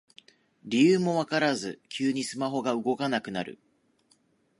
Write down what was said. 理由もわからず急にスマホが動かなくなる